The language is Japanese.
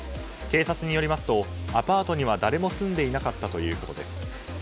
警察によりますとアパートには誰も住んでいなかったということです。